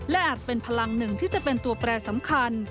และอาจเป็นพลังหนึ่งที่จะเป็นตัวแปรสำคัญ